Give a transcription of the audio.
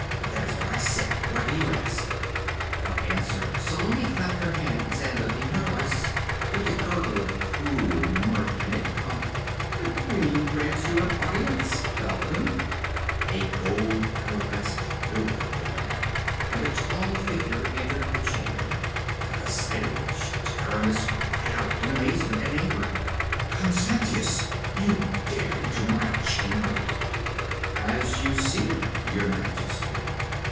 'That is what I said. Why do you ask?' For answer Salome clapped her hands, and lifting her voice, with a gurgle of cruel mirth in it, called: 'The queen grants you an audience, Falcon!' A gold arabesqued door opened and a tall figure entered the chamber, at the sight of which Taramis cried out in amazement and anger. 'Constantius! You dare enter my chamber!' 'As you see, Your Majesty!'